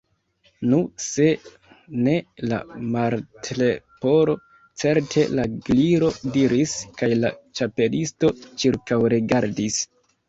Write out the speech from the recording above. "Nu, se ne la Martleporo, certe la Gliro diris " kaj la Ĉapelisto ĉirkaŭregardis.